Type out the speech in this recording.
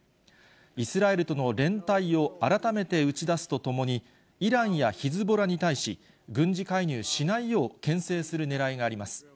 イスラエルとの連帯を改めて打ち出すとともに、イランやヒズボラに対し、軍事介入しないようけん制するねらいがあります。